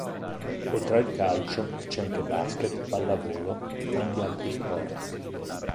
Oltre al calcio, c'è anche basket, pallavolo e tanti altri sport.